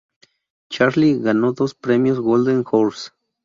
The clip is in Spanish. Charlie ganó dos premios Golden Horse.